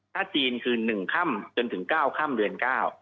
ถ้าจีนคือ๑ค่ำจนถึง๙ค่ำเดือน๙